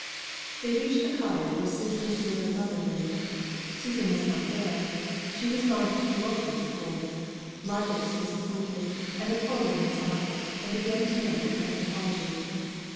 They reached the cottage where Susan's widowed mother lived. Susan was not there. She was gone to the parochial school. Margaret was disappointed, and the poor woman saw it, and began to make a kind of apology.